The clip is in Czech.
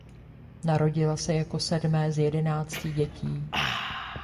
Narodila se jako sedmé z jedenácti dětí.